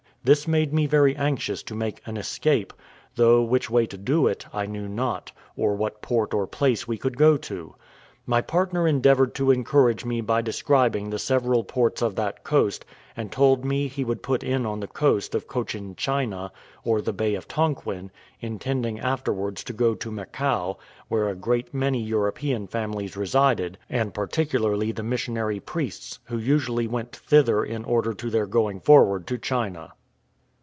This made me very anxious to make an escape, though which way to do it I knew not, or what port or place we could go to. My partner endeavoured to encourage me by describing the several ports of that coast, and told me he would put in on the coast of Cochin China, or the bay of Tonquin, intending afterwards to go to Macao, where a great many European families resided, and particularly the missionary priests, who usually went thither in order to their going forward to China.